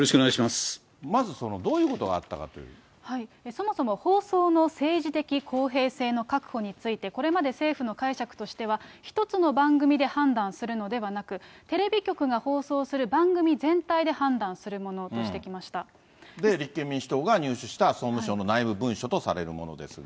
まずどういうことがあったかそもそも放送の政治的公平性の確保について、これまで政府の解釈としては、一つの番組で判断するのではなく、テレビ局が放送する番組全体で判断するものとしで、立憲民主党が入手した、総務省の内部文書とされるものですが。